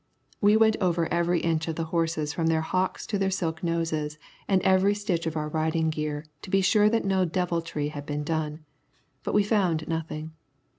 We went over every inch of the horses from their hocks to their silk noses, and every stitch of our riding gear, to be sure that no deviltry had been done. But we found nothing.